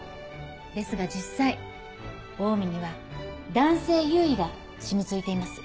ですが実際オウミには男性優位が染み付いています。